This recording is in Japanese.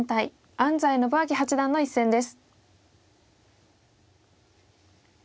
安斎伸彰八段の一戦です。